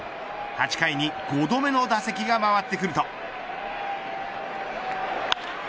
８回に５度目の打席が回ってくると。